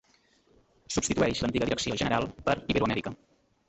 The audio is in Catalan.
Substitueix l'antiga Direcció general per Iberoamèrica.